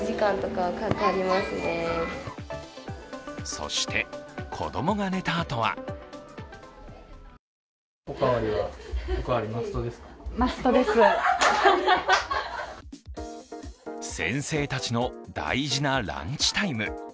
そして、子供が寝たあとは先生たちの大事なランチタイム。